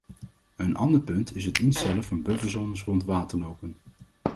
Een ander punt is het instellen van bufferzones rond waterlopen.